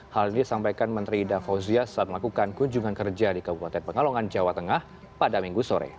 hal ini disampaikan menteri ida fauzia saat melakukan kunjungan kerja di kabupaten pekalongan jawa tengah pada minggu sore